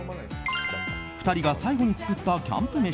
２人が最後に作ったキャンプ飯。